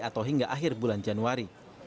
atau hingga akhir bulan januari